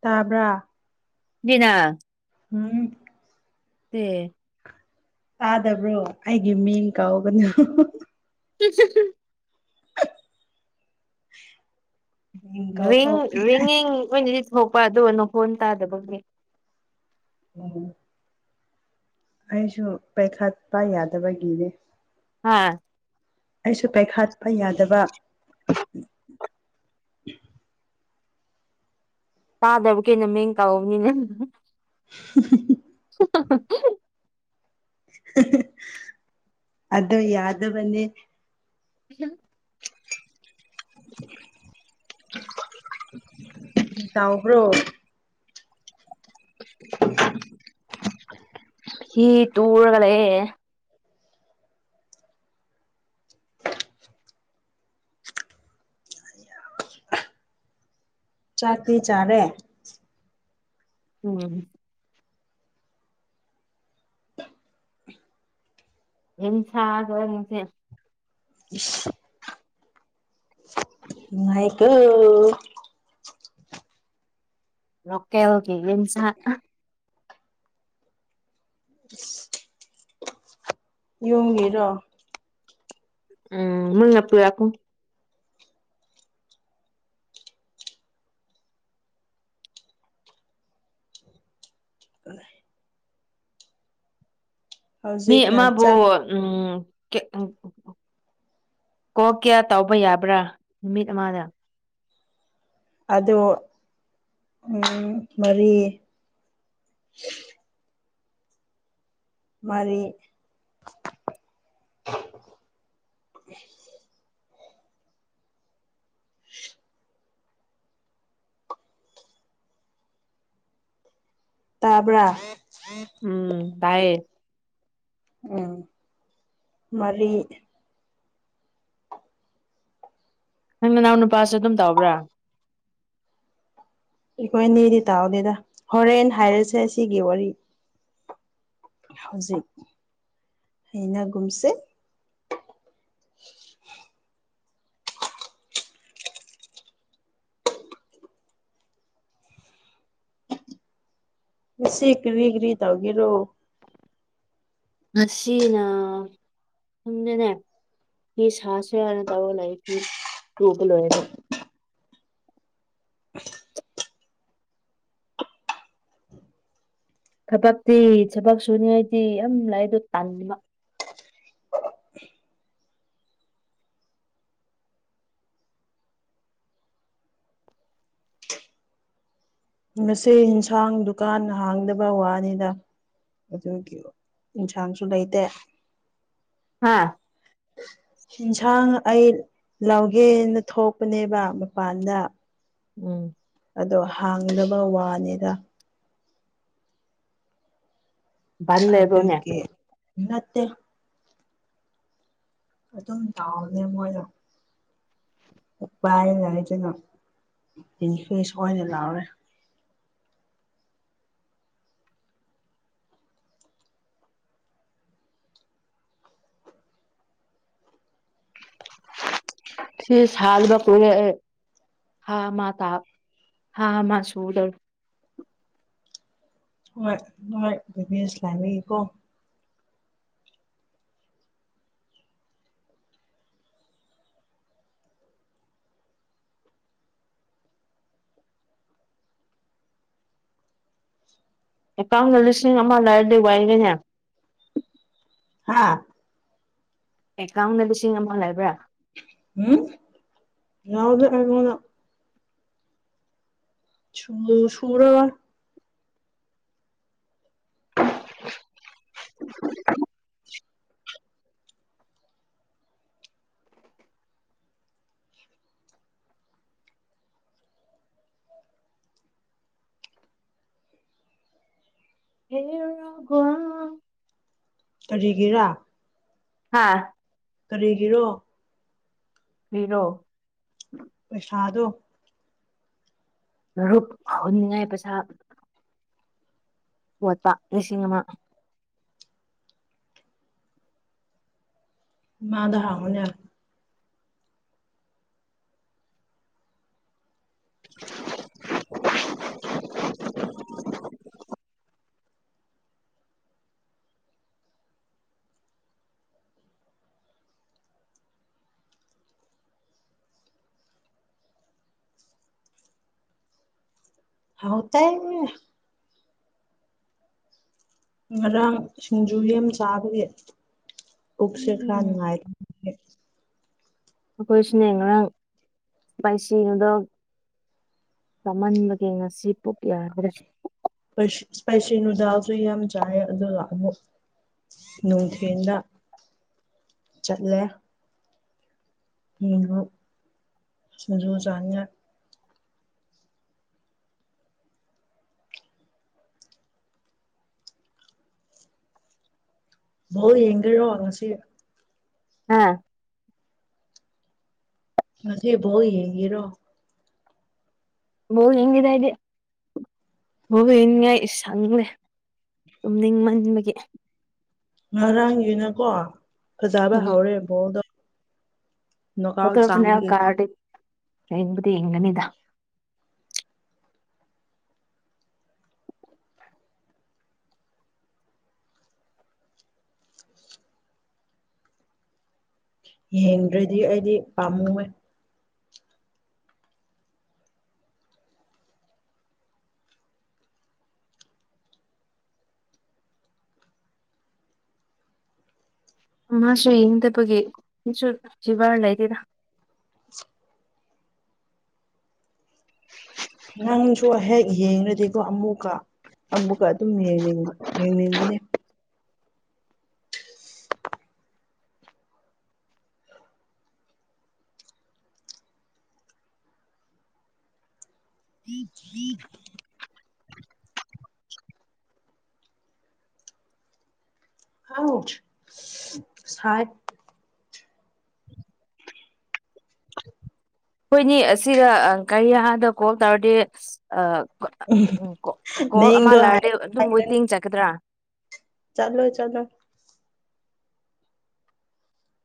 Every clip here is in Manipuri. ꯇꯥꯕ꯭ꯔꯥ ꯃꯤꯅ ꯍꯨꯝ ꯑꯦ ꯇꯥꯗꯕ꯭ꯔꯣ ꯑꯩꯒꯤ ꯃꯤꯡ ꯀꯧꯒꯅꯨ [unintelligible] ꯃꯤꯡ ꯔꯤꯡ ꯀꯥꯎꯊꯣꯛꯈ꯭ꯔꯦ ꯔꯤꯡꯒꯤꯡ ꯑꯣꯏꯅꯗꯤ ꯊꯣꯛꯄ ꯑꯗꯨꯒ ꯅꯈꯣꯟ ꯇꯥꯗꯕꯒꯤ [unintelligible] ꯑꯩꯁꯨ ꯄꯥꯏꯈꯠꯄ ꯌꯥꯗꯕꯒꯤꯅꯦ ꯍꯥꯥ ꯑꯩꯁꯨ ꯄꯥꯏꯈꯠꯄ ꯌꯥꯗꯕ ꯇꯥꯗꯕꯀꯤꯅꯦ ꯅꯃꯤꯡ ꯀꯧꯕꯅꯤꯅꯦ [unintelligible] [unintelligible] ꯑꯗꯣ ꯌꯥꯗꯕꯅꯦ [unintelligible] [inaudible] ꯇꯥꯎꯈ꯭ꯔꯣ ꯐꯤ ꯇꯨꯔꯒ ꯂꯩꯌꯦ ꯆꯥꯛꯇꯤ ꯆꯥꯔꯦ ꯎꯝ ꯌꯥꯝ ꯁꯥꯗ꯭ꯔꯣ ꯉꯁꯤ ꯏꯁ [inaudible] ꯅꯨꯡꯉꯥꯏꯀꯣ ꯂꯣꯀꯦꯜꯒꯤ ꯌꯦꯟꯁꯥꯡ ꯏꯁ [inaudible] ꯌꯨꯝꯒꯤꯔꯣ ꯎꯝ ꯃꯥꯅ ꯄꯤꯔꯛꯄꯅꯦ ꯃꯤ ꯍꯧꯖꯤꯛꯅ ꯑꯃꯥꯕꯨ ꯆꯥꯛ ꯎꯝ ꯀꯣꯛ ꯀꯌꯥ ꯇꯧꯕ ꯌꯥꯕ꯭ꯔꯥ ꯅꯨꯃꯤꯠ ꯑꯃꯗ ꯑꯗꯣ ꯎꯝ ꯃꯔꯤ ꯃꯔꯤ ꯇꯥꯕ꯭ꯔꯥ ꯎꯝ ꯇꯥꯏꯌꯦ ꯎꯝ ꯃꯔꯤ ꯅꯪ ꯅꯅꯥꯎ ꯅꯨꯄꯥꯁꯨ ꯑꯗꯨꯝ ꯇꯧꯕ꯭ꯔꯥ ꯑꯩꯈꯣꯏꯅꯤꯗꯤ ꯇꯧꯗꯦꯗ ꯍꯣꯔꯦꯟ ꯍꯥꯏꯔꯁꯦ ꯑꯁꯤꯒꯤ ꯋꯥꯔꯤ ꯍꯧꯖꯤꯛ ꯍꯥꯏꯅꯒꯨꯝꯁꯦ ꯉꯁꯤ ꯀꯔꯤ ꯀꯔꯤ ꯇꯧꯒꯦꯔꯣ ꯉꯁꯤꯅꯥ ꯈꯪꯗꯦꯅꯦ ꯐꯤ ꯁꯥꯁꯤꯔꯅ ꯇꯧꯔꯒ ꯂꯩꯕꯅꯦ ꯇꯨꯕ ꯂꯣꯏꯔꯗꯤ ꯊꯕꯛꯇꯤ ꯊꯕꯛ ꯁꯨꯅꯤꯉꯥꯏꯗꯤ ꯌꯥꯝ ꯂꯩ ꯑꯗꯨ ꯇꯟꯕ ꯉꯁꯤ ꯏꯟꯁꯥꯡꯗꯨꯒ ꯅꯍꯥꯡꯗꯕ ꯋꯥꯅꯤꯗ ꯑꯗꯨꯒꯤ ꯏꯟꯁꯥꯡꯁꯨ ꯂꯩꯇꯦ ꯍꯥꯥ [unintelligible] ꯏꯟꯁꯥꯡ ꯑꯩ ꯂꯧꯒꯦꯅ ꯊꯣꯛꯄꯅꯦꯕ ꯃꯄꯥꯟꯗ ꯎꯝ ꯑꯗꯣ ꯍꯥꯡꯗꯕ ꯋꯥꯅꯤꯗ ꯕꯟ ꯂꯩꯕ꯭ꯔꯣꯅꯦ ꯑꯗꯨꯒꯤ ꯅꯠꯇꯦ ꯑꯗꯨꯝ ꯇꯥꯎꯅꯦ ꯃꯣꯏꯗꯣ ꯎꯄꯥꯏꯅ ꯍꯥꯏꯗꯅ ꯅꯤꯐꯤꯁ ꯑꯣꯏꯅ ꯂꯥꯎꯔꯦ ꯁꯤ ꯁꯥꯜꯂꯒ ꯄꯨꯔꯦ ꯑꯩ ꯍꯥ ꯃꯥ ꯇꯥ ꯍꯥ ꯃꯥ ꯁꯨꯗ ꯍꯣꯏ ꯍꯣꯏ ꯅꯦꯁ ꯂꯥꯏꯕꯒꯤꯀꯣ [unintelligible] ꯑꯦꯀꯥꯎꯟꯗ ꯂꯤꯁꯤꯡ ꯑꯃ ꯂꯩꯔꯗꯤ ꯋꯥꯏꯒꯦꯅꯦ ꯍꯥꯥ ꯑꯦꯀꯥꯎꯟꯗ ꯂꯤꯁꯤꯡ ꯑꯃ ꯂꯩꯕ꯭ꯔꯥ ꯎꯝ ꯌꯥꯎꯗꯦ ꯑꯩꯉꯣꯟꯗ ꯁꯨ ꯁꯨꯔꯒ [unintelligible] ꯀꯔꯤꯒꯤꯔꯥ ꯍꯥꯥ ꯀꯔꯤꯒꯤꯔꯣ ꯏꯔꯣ ꯄꯩꯁꯥꯗꯣ ꯃꯔꯨꯞ ꯍꯨꯟꯅꯤꯡꯉꯥꯏ ꯄꯩꯁꯥ ꯋꯥꯠꯄ ꯂꯤꯁꯤꯡ ꯑꯃ ꯃꯥꯗ ꯍꯪꯉꯨꯅꯦ [unintelligible] ꯋꯥꯎꯇꯦ ꯉꯔꯥꯡ ꯁꯤꯡꯖꯨ ꯌꯥꯝ ꯆꯥꯕꯒꯤ ꯄꯨꯛꯁꯦ ꯈꯔ ꯎꯝ ꯅꯨꯡꯉꯥꯏ ꯑꯩꯈꯣꯏꯁꯨꯅꯦ ꯉꯔꯥꯡ ꯏꯁꯄꯥꯏꯁꯤꯒꯗꯣ ꯆꯃꯟꯕꯒꯤ ꯉꯁꯤ ꯄꯨꯛ ꯌꯥꯗ꯭ꯔꯦ ꯏꯁꯄꯥꯏꯁꯤ ꯅꯨꯗꯥꯜꯁꯨ ꯌꯥꯝ ꯆꯥꯏ ꯑꯗꯨ ꯂꯥꯛꯑꯃꯨ ꯅꯨꯡꯊꯤꯟꯗ ꯆꯠꯂꯦ [unintelligible] ꯁꯤꯡꯖꯨ ꯆꯥꯅꯤꯡꯉꯥꯏ ꯕꯣꯜ ꯌꯦꯡꯒꯦꯔꯣ ꯉꯁꯤ ꯍꯥꯥ ꯉꯁꯝ ꯕꯣꯜ ꯌꯦꯡꯒꯦꯔꯣ ꯕꯣꯜ ꯌꯦꯡꯗꯦꯗ ꯑꯩꯗꯤ ꯕꯣꯜ ꯌꯦꯡꯅꯤꯡꯉꯥꯏ ꯁꯪꯂꯦ ꯇꯨꯝꯅꯤꯡ ꯃꯟꯕꯒꯤ ꯉꯔꯥꯡꯒꯤꯅꯀꯣ ꯐꯖꯕ ꯎꯝ ꯍꯧꯔꯦ ꯕꯣꯜꯗꯣ ꯅꯨꯀꯥꯎ ꯆꯥꯡꯕꯒꯤ ꯌꯦꯡꯕꯗꯤ ꯌꯦꯡꯒꯅꯤꯗ ꯌꯦꯡꯗ꯭ꯔꯗꯤ ꯑꯩꯗꯤ ꯄꯥꯝꯃꯨꯏ ꯃꯥꯁꯨ ꯌꯦꯡꯗꯕꯒꯤꯁꯨ ꯖꯤꯕꯥꯔ ꯂꯩꯗꯦꯗ ꯅꯪꯁꯨ ꯍꯦꯛ ꯌꯦꯡꯉꯗꯤꯀꯣ ꯑꯃꯨꯛꯀ ꯑꯃꯨꯛꯀ ꯑꯗꯨꯝ ꯌꯦꯡꯅꯤꯡ ꯌꯦꯡꯅꯤꯡꯒꯅꯤ [unintelligible] ꯍꯥꯎ ꯁꯥꯢ ꯍꯣꯏꯅꯤ ꯑꯁꯤꯗ ꯀꯔꯤ ꯍꯥꯟꯗꯀꯣ ꯇꯧꯔꯗꯤ ꯎ ꯀꯣꯜ ꯑꯃ ꯃꯌꯤꯡꯗꯣ ꯍꯥꯏ ꯂꯩꯔꯗꯤ ꯋꯦꯇꯤꯡ ꯆꯠꯀꯗ꯭ꯔꯥ ꯆꯠꯂꯣ ꯆꯠꯂꯣ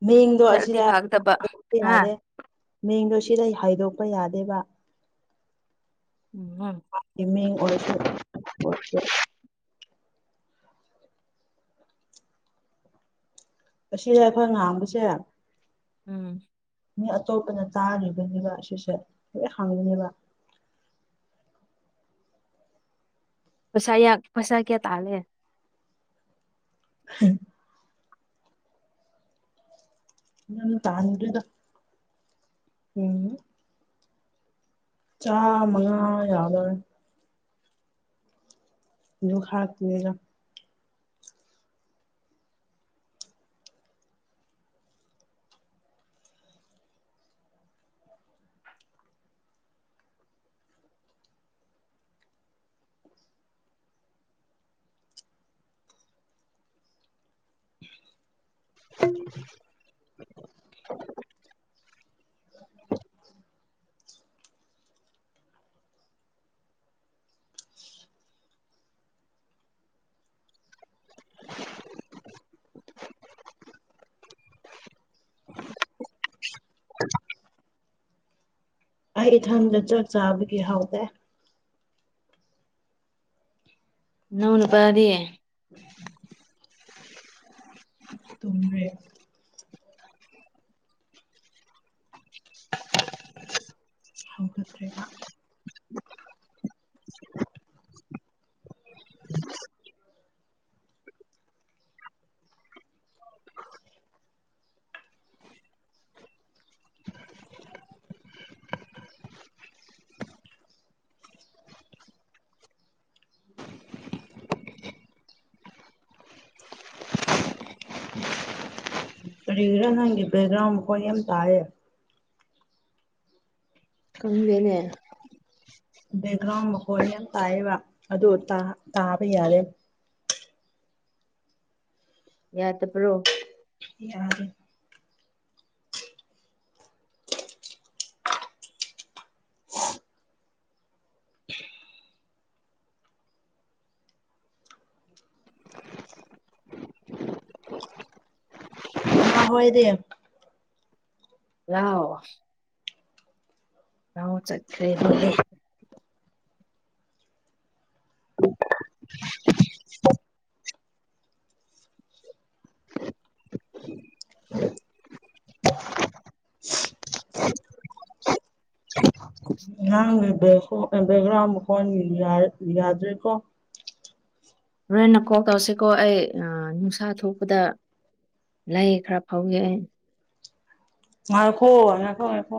ꯃꯤꯡꯗꯣ ꯆꯠꯂꯗꯤ ꯁꯤꯗꯄ ꯐꯒꯗꯕ ꯍꯥ ꯌꯥꯗꯦ ꯃꯤꯡꯗꯣ ꯁꯤꯗ ꯍꯥꯏꯗꯣꯛꯄ ꯌꯥꯗꯦꯕ ꯎꯝ ꯃꯤꯡ ꯑꯣꯏꯔꯁꯨ [unintelligible] ꯑꯁꯤꯁꯦ ꯑꯩꯈꯣꯏ ꯉꯥꯡꯕꯁꯦ ꯎꯝ ꯃꯤ ꯑꯇꯣꯞꯄꯅ ꯇꯥꯔꯤꯕꯅꯦꯕ ꯁꯤꯁꯦ ꯂꯣꯏ ꯍꯪꯉꯕ ꯄꯩꯁꯥ ꯄꯩꯁꯥ ꯀꯌꯥ ꯇꯥꯜꯂꯦ [unintelligible] [unintelligible] ꯆꯥ ꯃꯉꯥ ꯌꯥꯗ ꯗꯨ ꯍꯥ ꯂꯩꯒ [inaudible] ꯑꯩ ꯏꯊꯟꯗ ꯆꯥꯛ ꯆꯥꯕꯒꯤ ꯍꯧꯗꯦ ꯅꯣꯡ ꯅꯨꯄꯥꯗꯤ ꯎꯝ [inaudible] ꯇꯨꯝꯔꯦ ꯍꯧꯒꯗ꯭ꯔꯦꯕ [unintelligible] ꯀꯔꯤꯔ ꯅꯪꯒꯤ ꯕꯦꯛꯒ꯭ꯔꯥꯎꯟ ꯃꯈꯣꯟ ꯌꯥꯝ ꯇꯥꯏꯌꯦ ꯈꯪꯗꯦꯅꯦ ꯕꯦꯛꯒ꯭ꯔꯥꯎꯟ ꯃꯈꯣꯟꯅꯤ ꯌꯥꯝ ꯇꯥꯏꯌꯦꯕ ꯑꯗꯨ ꯇꯥꯕ ꯌꯥꯔꯦ ꯌꯥꯗꯄ꯭ꯔꯣ ꯌꯥꯔꯦ ꯃꯥ ꯍꯣꯏꯗꯦ [unintelligible] ꯂꯧ ꯆꯠꯈ꯭ꯔꯦ [inaudible] [inaudible] [inaudible] ꯅꯪ ꯕꯦꯛꯒ꯭ꯔꯥꯎꯟ ꯃꯈꯣꯟ ꯌꯥꯗ꯭ꯔꯦꯀꯣ ꯍꯣꯔꯦꯟꯅ ꯀꯣꯜ ꯇꯧꯁꯤꯀꯣ ꯑꯩ ꯅꯨꯡꯁꯥ ꯊꯣꯛꯄꯗ ꯂꯥꯏꯌꯦꯛ ꯈꯔ [unintelligible] ꯉꯥꯏꯈꯣ ꯉꯥꯢꯈꯣ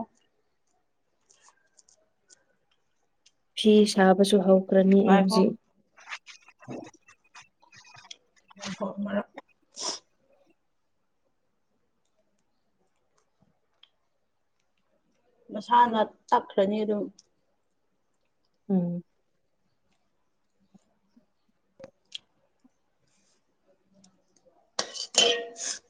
ꯐꯤ ꯁꯥꯕꯁꯨ ꯍꯧꯈ꯭ꯔꯅꯤ ꯑꯩ ꯉꯥꯏꯈꯣ ꯍꯧꯖꯤꯛ ꯃꯣꯡꯈꯣ ꯃꯔ ꯃꯁꯥꯅ ꯆꯠꯈ꯭ꯔꯅꯤ ꯑꯗꯨꯝ ꯎꯝ ꯍ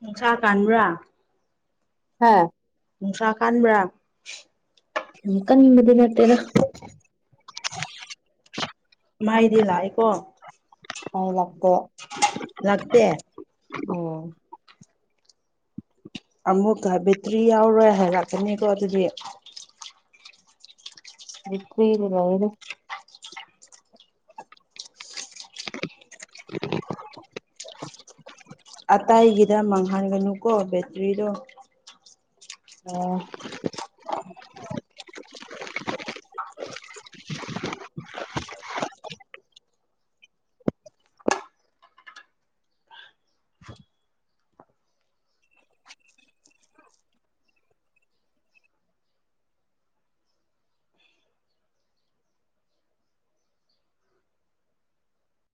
ꯅꯨꯡꯁꯥ ꯀꯥꯟꯕ꯭ꯔꯥ ꯍꯥꯥ ꯅꯨꯡꯁꯥ ꯀꯕ꯭ꯔꯥ ꯏꯪꯀꯅꯤꯗꯤ ꯅꯇꯦꯗ ꯃꯥꯏꯗꯤ ꯂꯥꯛꯑꯦꯀꯣ ꯍ ꯂꯥꯛꯗꯦ ꯂꯥꯛꯄ ꯑꯣ ꯑꯃꯨꯛꯀ ꯕꯦꯇ꯭ꯔꯤ ꯌꯥꯎꯔꯣꯏ ꯍꯥꯏꯔꯛꯀꯅꯤꯀꯣ ꯑꯗꯨꯗꯤ ꯇ ꯏꯔꯂꯩꯅ [inaudible] ꯑꯇꯏꯒꯤꯗ ꯃꯥꯡꯍꯟꯒꯅꯨꯀꯣ ꯕꯦꯇ꯭ꯔꯤꯗꯣ ꯑꯣ